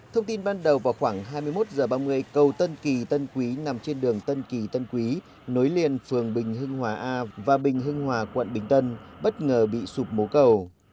thông tin ban đầu vào khoảng hai mươi một h ba mươi cầu tân kỳ tân quý nằm trên đường tân kỳ tân quý nối liền phường bình hưng hòa a và bình hưng hòa quận bình tân bất ngờ bị sụp mố cầu